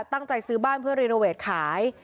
ตั้งใจซื้อบ้านเพื่อรีโนเวทขาย